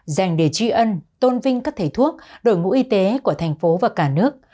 dành để tri ân tôn vinh các thầy thuốc đội ngũ y tế của thành phố và cả nước